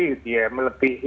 yang lebih melebihi